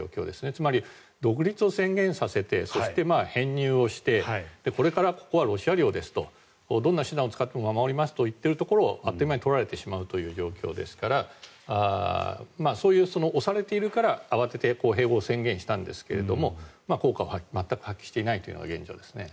つまり、独立を宣言させてそして編入をしてこれからここはロシア領ですとどんな手段を使っても守りますと言っているところをあっという間に取られてしまうような状況ですからそういう押されているから慌てて併合を宣言したんですが効果は全く発揮していないというのが現状ですね。